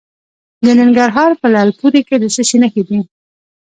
د ننګرهار په لعل پورې کې د څه شي نښې دي؟